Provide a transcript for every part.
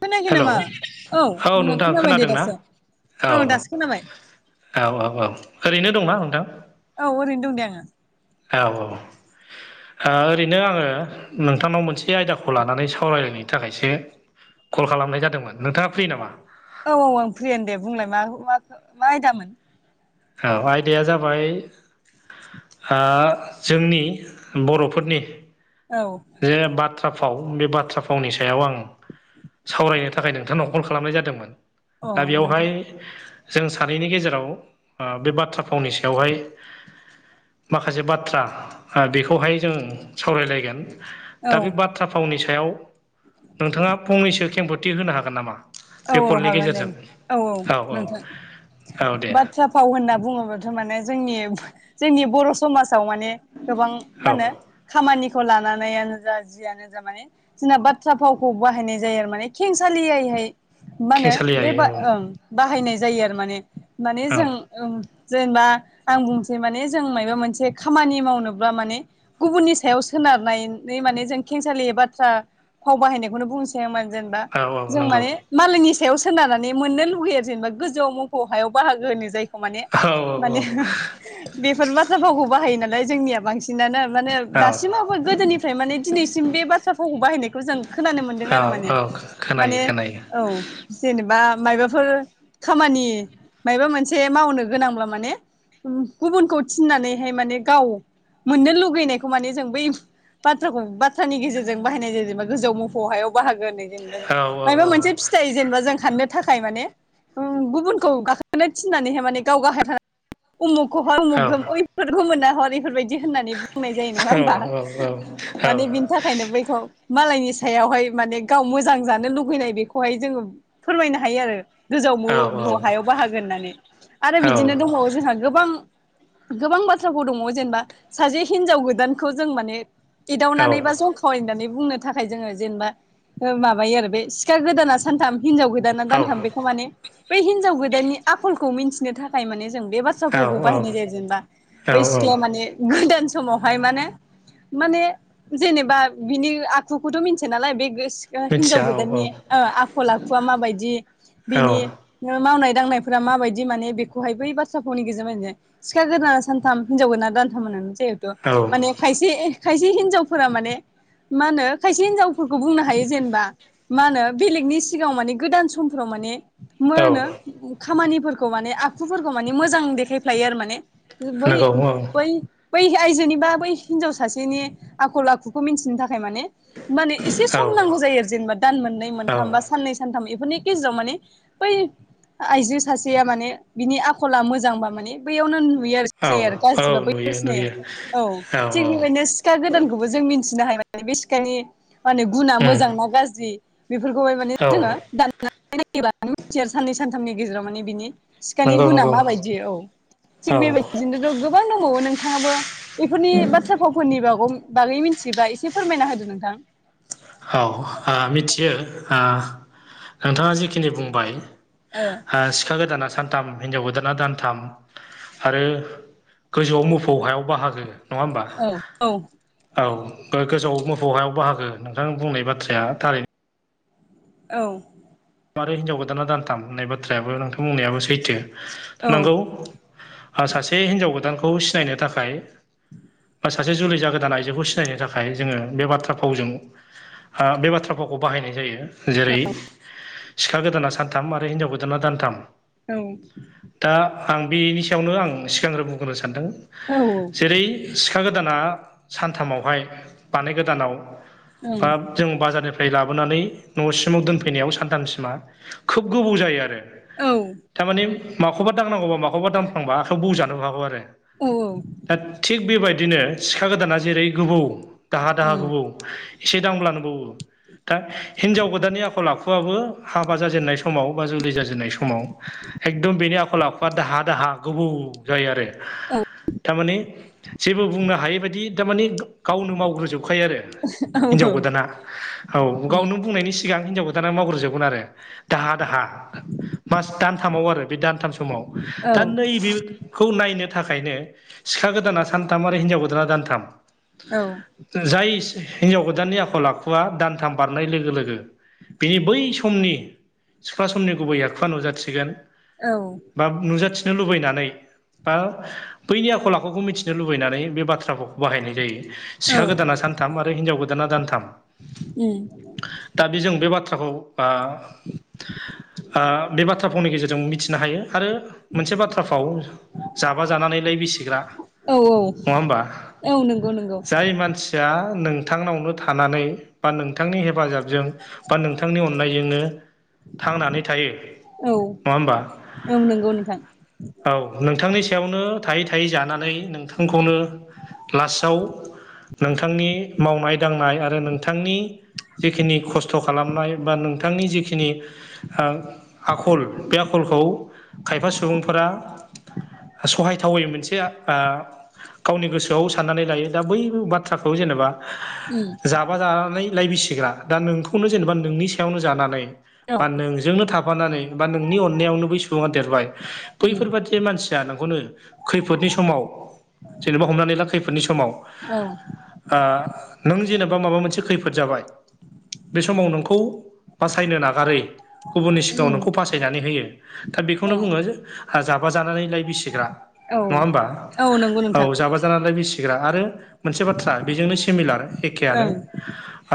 खोनायाखै हेलौ नामा औ मोजां नोंथां खोनाबाय दे खोनादोंना दासो औ। दासो खोनाबाय औ औ औ ओरैनो दंना नोंथां? औ ओरैनो दं दे आङो। औ औ। ओ ओरैनो आङो नोंथांनाव मोनसे आयदाखौ लानानै सावरायलायनायनो थाखायसो कल खालामनाय जादोंमोन नोंथाङा फ्रि नामा? औ औ आं फ्रियानो दे बुंलाय मा मा मा आयदामोन औ आयदाया जाबाय ओ जोंनि बर'फोरनि औ। जे बाथ्रा फाव बे बाथ्रा फावनि सायाव आं सावरायनो थाखाय नोंथांनाव कल खालामनाय जादोंमोन अ दा बेयावहाय नोंथां जों सानैनि गेजेराव ओ बे बाथ्रा फावनि सायावहाय माखासे बाथ्रा ओ बेखौहाय जों सावरायलायगोन। औ दा बे बाथ्रा फावनि सायाव नोंथाङा फंनैसो खेंफोरथि होनो हागोन नामा? औ बे औ कलनि हागोन दे गेजेरजों औ औ नोंथां औ दे बाथ्रा फाव होनना बुङोब्लाथ' माने जोंनि जोंनि बर' समाजाव माने गोबां औ मा होनो खामानिखौ लानानैयानो जा जियानो जा माने जोंना बाथ्रा फावखौ बाहायनाय जायो आरो माने खेंसालियायैहाय मा होनो बे खेंसालियायै बा औ ओं बाहायनाय जायो आरो माने माने औ जों ओम जेनेबा आं बुंनोसै माने जों माबा मोनसे खामानि मावनोब्ला माने गुबुननि सायाव सोनारनायनै माने जों खेंसालि बाथ्रा फाव बाहायनायखौनो बुंस सायावमोन जेनेबा औ औ जों नंगौ माने मालायनि सायाव सोनारनानै मोननो लुगैयो आरो जेनेबा गोजौआव मोफौ हायाव बाहागो होनो जायखौ माने औ औ माने बेफोर बाथ्रा भावखौ बाहायो नालाय जोंनिया बांसि सिनानो माने औ दासिमावबो गोदोनिफ्राय माने दिनैसिम बे बाथ्रा भावखौ बाहायनायखौ जों खोनानो मोनदों औ आरो माने औ खोनायो माने खोनायो औ जेनेबा मायबाफोर खामानि मायबा मोनसे मावनो गोनांब्ला माने गुबुनखौ थिननानैहाय माने गाव मोननो लुगैनायखौ माने जों बै बाथ्राखौ बाथ्रानि गेजेरजों बाहायनाय जायो जेनेबा गोजौवाव मोफौ हायाव बाहागो होननाय औ जेनेबा मायबा औ औ मोनसे फिथाइ जेनेबा जों हाननो थाखाय माने उ गुबुनखौ गाखोनो थिनानैहाय माने गाव गाहायाव थाना उमुखखौ हर औ उमुख गोम ओयफोरखौ मोनहार बेफोरबायद दि होननानै बुंनाय जायो नङा होमबा माने बिनि थाखायनो बैखौ मालायनि सायावहाय माने गाव मोजां जानो लुुबैनाय बेखौहाय जोङो फोरमायनो हायो आरो गोजाव मोफौ हायाव बाहागो होननानै आरो बिदिनो दंबावो जोंहा गोबां गोबां बाथ्राफोर दङ जेनेबा सासे हिनजाव गोदानखौ जों माने एदावनानै बा जंखवायनानै बुंनो थाखाय जोङो जेनेबा ओ माबायो आरो बे सि सिखा गोदाना सानथाम हिनजाव गोदाना दानथाम बेखौ माने बै हिनजाव गोदाननि आखलखौ मिन्थिनो थाखाय माने जों बे बा थ्रा फावखौ बाहायनाय जायो जेनेबा औ बै औ सिख्लाया माने गोदान समावहाय माने माने जेनेबा बिनि आखुखौथ' मिथिया नालाय बे गोस ओ मिथिया औ हिनजावगोदाननि ओ आखल आखुवा माबायदि औ बिनि ओ मावनाय दांनायफोरा माबायदि माने बेखौहाय बै बाथ्रा फावनि गेजेरजों मिथियो सिखा गोदाना सानथाम हिनजाव गोदाना दानथाम होननानै जिहेथु औ माने खायसे खायसे हिनजावफोरा माने मा होनो खायसे हिनजावफोरखौ बुंनो हायो जेनेबा मा होनो बेलेगनि सिगाङाव माने गोदान समफोराव माने मा औ होनो खामानिफोरखौ माने आखुफोरखौ माने मोजां देखायफ्लायो आरो माने बै नंगौ औ बै बै आइजोनि बा बै हिनजाव सासेनि आखल आखुखौ मिथिनो थाखाय माने माने एसे औ सम नांगौ जायो आरो जेनेबा दान मोननै मोन औ साननै सानथाम बेफोरनि गेजाव माने बै आइजो सासेया माने बिनि आखला मोजांबा माने बैयावनो नुयो आरो औ जायो आरो औ गाज्रिबा बैयाव नुयो सिनायो नुयो औ थिग बेबायदिनो सिखा गोदानखौबो जों मिथिनो हायो माने बे सिखानि माने गुना उम मोजांना गाज्रि बेफोरखौहाय माने औ जोंङो दाननानै नायब मिथिया आरो साननै सानथामनि गेजेराव माने बिनि सिखानि नंगौ गुना नंगौ माबायदि औ औ थिग बेबायदिजोंनोथ' गोबां दंबावो नोंथाङाबो बेफोरनि बाथ्रा भावफोरनि ब बागै मिथिब्ला एसे फोरमायना होदो नोंथां। औ ओ मिथियो नोंथाङा जिखिनि बुंबाय ओ ओ‌ सिखा गोदाना सानथाम हिनजाव गोदाना दानथाम आरो गोजौआव मोफौ हायाव बाहागो नङा होमबा ओ औ औ गोजौआव मोफौ हायाव बाहागो नोंथां बुंनाय बाथ्राया थारै औ आरो हिनजाव गोदाना दानथाम होननाय बाथ्रायाबो नोंथां बुंनायाबो सैथो औ नोंगौ ओ सासे हिन्जाव गोदानखौ सिनायनो थाखाय बा सासे जुलि जागोदान आइजोखौ सिनायनो थाखाय जोंङो बे बाथ्रा फावजों बे बाथ्राफोरखौ बाहायनाय जायो। जेरै सिखा गोदाना सानथाम आरो हिनजाव गोदाना दानथाम औ दा आं बेनि सायावनो आं सिगांग्रो बुंग्रोनो सानदों औ जेरै सिखा गोदाना सानथामावहाय बानाय गोदानाव ओं बा जों बाजारनि फ्राय लाबोनानै न'सिमाव दोनफैनायाव सानथामसिमा खोब गोबाव जायो आरो औ थामाने माखौबा दांनांगौबा माखौबा दामफांबा बौजानोबो हागौ आरो। औ औ दा थिग बेबायदिनो सिखा गोदाना जेरै गोबौ दाहा दाहा गोबौ एसे दांब्लानो बोवो दा हिनजाव गोदाननि आखला आ आखुआबो हाबा जाजेननाय समाव बा जोलै जाजेननाय समाव एकदम बेनि आखल आखुआ दाहा दाहा गोबौ जायो आरो। थामाने जेबो बुंनो हायै बाददि थामाने गावनो मावग्रोजोबखायो आरो औ हिनजाव गोदाना औ गावनो बुंनायनि सिगां हिनजाव गो दाना मावग्रजोबगोन आरो। दाहा दाहा मास दानथामाव आरो बे दानथाम समाव दा नैबे खौ नायनो थाखायनो सिखा गोदाना सानथाम आरो हिनजाव गोदाना दानथाम औ जाय हिन्जाव गोदाननि आखल आखुआ दानथाम बारनाय लोगो लोगो बिनि बै समनि सिख्ला समनि गुबै आखुवा नुजाथिगोन। औ बा नुजाथिनो लुबैनानै बा बैनि आखल आखुखौ मिथिनो लुबैनानै बे बाथ्राखौ बाहायनाय जायो औ सिखा गोदाना सानथाम आरो हिनजाव गोदाना दानथाम उम दा बे जों बे बाथ्राखौ ओ ओ बे बाथ्रा फावनि गेजेरजों मिथिनो हायो आरो मोनसे बाथ्रा भाव जाबा जानानैलाय बिसिग्रा औ नङा होमबा औ नंगौ नंगौ जाय मानसि या नोंथांनावनो थानानै बा नोंथांनि हेफाजाबजों बा नोंथांनि अननायजोंनो थांनानै थायो औ नङा होमबा? औ नंगौ नोंथां। औ नोंथांनि सायावनो थायै थायै जानानै नोंथांखौनो लास्टाव नोंथांनि मावनाय दांनाय आरो नोंथांनि जिखिनि खस्थ खालामनाय बा नोंथांनि जिखिनि आखल बे आखलखौ खायफा सुबुंफोरा सहायथावै मोनसे आ गावनि गोसोआव साननानै लायो दा बै बाथ थ्राखौ जेनेबा उम जाबा जानानै लाइ बिसिग्रा दा नोंखौनो जेनेबा नोंनि सायावनो जानानै औ बा नोंजोंनो थाफानानै बा नोंनि अननायावनो बै सुबुङा देरबाय उम बैफोरबादि मानसिया नोंखौनो खैफोदनि समाव जेनेबा हमनानै ला खैफोदनि समाव औ ओ नों जेनेबा माबा मोनसे खैफोद जाबाय बे समाव नोंखौ बासायनो नागारै गुबुननि सिगाङाव उम नोंखौ बासायनानै होयो। दा औ बेखौनो बुङो जाबा जानानै लाइ बिसिग्रा। औ नङा होमबा औ नंगौ नोंथां औ जाबा जानानै लाइ बिसि सिग्रा आरो मोनसे बाथ्रा बेजोंनो सिमिलार एखेआनो ओं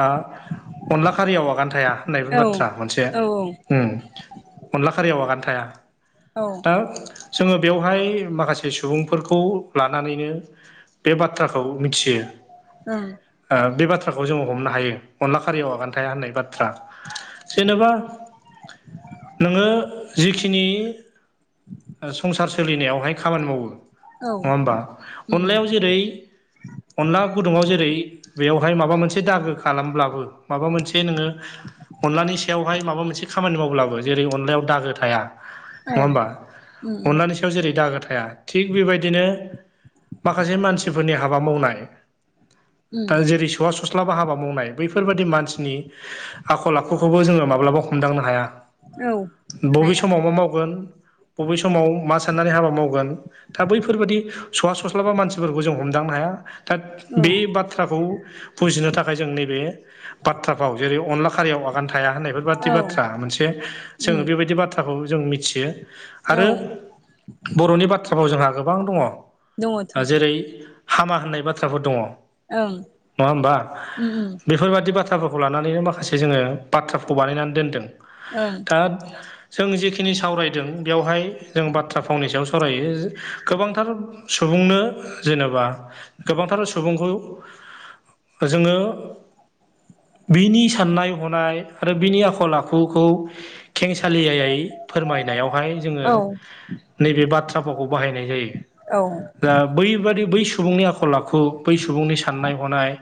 आ अनला खारियाव आगान थाया होननायबो औ बाथ्रा मोनसे औ औ उम अनला खारियाव आगान थाया औ ओं दा जोङो बेवहाय माखासे सुबुंफोरखौ लानानैनो बे बाथ्राखौ मिथियो। ओं ओ बे बाथ्राखौ जोङो हमनो हायो अनला खारियाव आगान थाया होननाय बाथ्रा जेनेबा नोङो जिखिनि संसार सोलिनायावहाय खामानि मावो नङा उम होमबा अनलायाव जेरै अनला गुदुङाव जेरै बेवहाय माबा मोनसे दागो खालामब्लाबो माबा मोनसे नोङो अनलानि सायावहाय माबा मोनसे खामानि मावब्लाबो जेरै अनलायाव दागो थाया। नङा ओं होमबा उम अनलानि सायाव जेरै दागा थाया थिग बेबायदिनो माखासे मानसिफोरनि हाबा मावनाय उम दा जेरै सौवा सस्लाबा हाबा मावनाय बैफोरबाय दि मानसिनि आखल आखुखौबो जोङो माब्लाबा हमदांनो हाया। औ बबे हाया समाव मा मावगोन बबे समाव मा साननानै हाबा मावगोन। दा बैफोरबायदि सवा सस्लाबा मानसिफोरखौ जों हमदांनो हाया। दा बे ओं बाथ्राखौ बुजिनो थाखाय जों नैबे बाथ्राफ्राव जेरै अनला खारियाव आगान थाया होननायफोरबादि औ बाथ्रा मोनसे जोंनो उम बेबायदि बाथ थ्राखौ जों मिथियो औ आरो बर'नि बाथ्राफ्राव जोंहा गोबां दङ। दङथ' जेरै हामा होननाय बाथ्राफोर दङ। ओं नङा होमबा उम बेफोरबायदि बाथ्रा बाथ्राफोरखौ लानानैनो माखासे जोङो बाथ्राखौ बानायनानै दोनदों। ओं दा जों जिखिनि सावरायदों बेवहाय जों बाथ्रा फावनि सायाव सावरायो। गोबांथार सुबुंनो जेनेबा गोबांथार सुबुंखौ जोङो बिनि साननाय हनाय आरो बिनि आखल आखुखौ खेंसालियायै फोरमायनायावहाय जोङो औ नैबे बाथ्रा फावखौ बाहायनाय जायो। औ दा बैबादि बै सुबुंनि आखल आखु बै सुबुंनि साननाय हनाय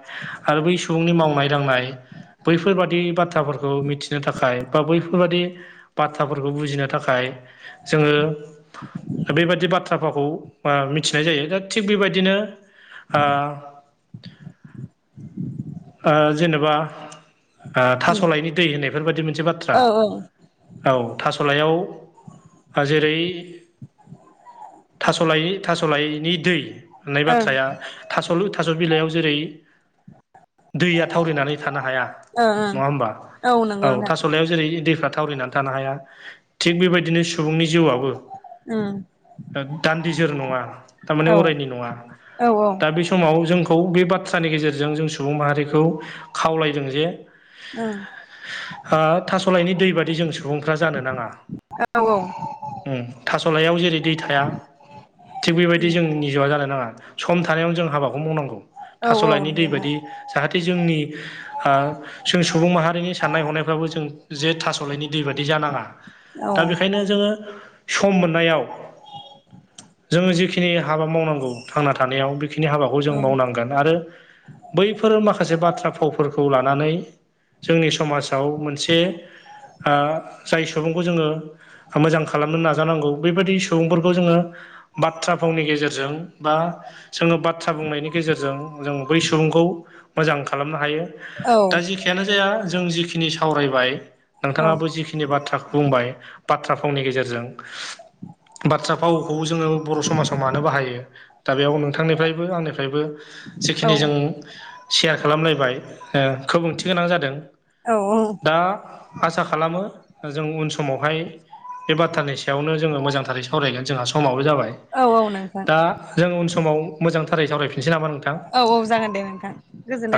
आरो बै सुबुंनि मावनाय दांनाय। बैफोरबादि बाथ्राफोरखौ मि मिथिनो थाखाय बा बैफोरबादि बाथ्राफोरखौ बुजिनो थाखाय जोङो बेबादि बाथ्राफोरखौ मिथिनाय जायो दा थिग बेबायदिनो जेनेबा उम थास'लायनि दै होननायफोरबायदि मोनसे बाथ्रा औ औ थास'लायाव जेरै थास'लाइ थास'लाइनि दै होननाय ओं बाथ्राया थास' थास' बिलाइयाव जेरै दैया थावरिनानै थानो हाया ओं ओं नङा होमबा नंगौ औ थास' नोंथां थास'लायाव जेरै दैफ्रा थावरिनानै थानो हाया थिग बेबायदिनो सुबुंनि जिउआबो उम दान्दिजोर नङा थारमाने औ अरायनि नङा औ ओं दा बे सम समाव जोंखौ बे बाथ्रानि गेजेरजों जों सुबुं माहारिखौ खावलायदों जे ओं आं थास'लायनि दै बादि जों सुबुंफ्रा जानो नाङा। औ- औ ओम थास'लाइयाव जेरै दै थाया। थिग बेबायदि उम जोंनि जिवआ जानो नाङा सम थानायावनो जों हाबाखौ मावनांगौ। औ औ थास'लाइनि दै नंगौ नोंथां बायदि जाहाथे जोंनि आ जों सुबुं माहारिनि साननाय हनायफ्राबो जों जे थास'लायनि दै बादि जानाङा औ दा बेखायनो जोङो सम मोननायाव जोङो जिखिनि हाबा मावनांगौ थांना थानायाव बेखिनि बेखिनि हाबाखौ जों औ मावनांगोन आरो बैफोर माखासे बाथ्रा फावफोरखौ लानानै जोंनि समाजाव मोनसे आ जाय सुबुंखौ जोङो मोजां खालामनो नाजानांगौ बेबायदि सुबुंफोरखौ जोङो बाथ्रा फावनि गेजेरजों बा जोङो बाथ्रा बुंनायनि गेजेरजों जों बै सु सुबुंखौ मोजां खालामनो हायो। औ दा जिखि खियानो जाया जों जिखिनि सावरायबाय नोंथाङाबो जिखिनि जिखिनि बाथ्राखौ बुंबाय बाथ्रा फावनि गेजेरजों बाथ्रा फावखौ जोङो बर' समाजाव मानो बाहायो? दा बेयाव नोंथांनिफ्रायबो आंनिफ्रायबो जिखिनि जों सेयार खालामलायबाय ओ खोब ओंथि गोनां जादों औ -औ दा आसा खालामो जों उन समावहाय बे बाथ्रानि सायावनो जोङो मोजांथारै सावरायगोन जोंहा समाबो जाबाय औ नोंथां दा जों उन समाव मोजांथारै सावरायफिनसै नामा नोंथां? औ औ जागोन दे नोंथां।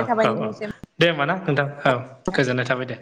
औ थाबाय औ औ नोंथांनिसिम दे होमबा ना नोंथां औ गोजोननाय थाबाय दे।